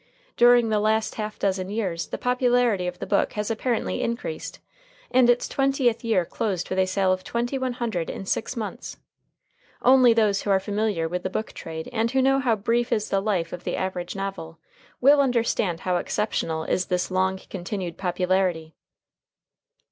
During the last half dozen years the popularity of the book has apparently increased, and its twentieth year closed with a sale of twenty one hundred in six months. Only those who are familiar with the book trade and who know how brief is the life of the average novel will understand how exceptional is this long continued popularity.